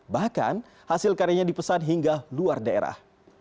bahkan hasil karyanya dipesan hingga luar daerah